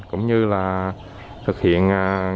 cũng như là thực hiện